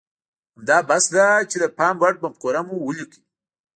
همدا بس ده چې د پام وړ مفکوره مو وليکئ.